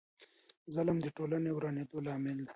ظلم د ټولني د ورانیدو لامل دی.